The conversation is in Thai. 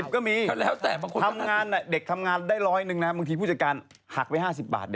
๕๐ก็มีเด็กทำงานได้ร้อยหนึ่งนะบางทีผู้จัดการหักไป๕๐บาท